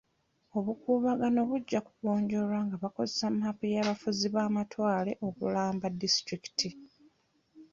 Obukuubagano bujja kugonjoolwa nga bakozesa mmaapu y'abafuzi b'amatwale okulamba disitulikiti.